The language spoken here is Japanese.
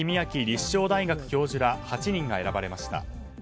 立正大学教授ら８人が選ばれました。